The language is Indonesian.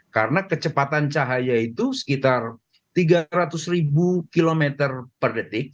karena kecepatan cahaya itu sekitar tiga ratus ribu kilometer per detik